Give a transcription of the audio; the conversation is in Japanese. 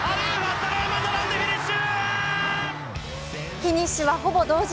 フィニッシュはほぼ同時。